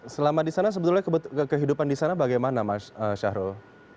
selama di sana sebetulnya kehidupan di sana bagaimana mas syahrul